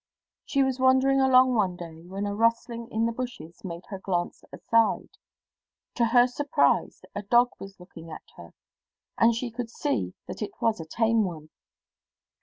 She was wandering along one day when a rustling in the bushes made her glance aside. To her surprise, a dog was looking at her, and she could see that it was a tame one.